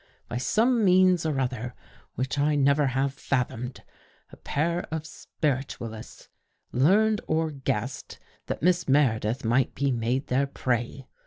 By some means or other which I never have fathomed, a pair of spiritualists learned or guessed that Miss Meredith might be made their prey.